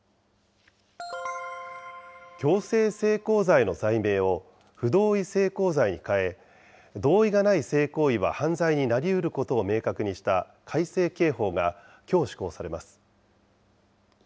強制性交罪の罪名を、不同意性交罪に変え、同意がない性行為は犯罪になりうることを明確にした改正刑法がきょう施行されます。